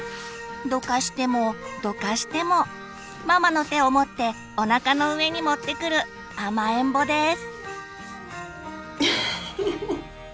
どかしてもどかしてもママの手を持っておなかの上に持ってくる甘えんぼです。